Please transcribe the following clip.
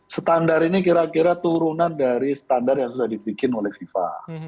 standar ini kira kira turunan dari standar yang sudah dibikin oleh fifa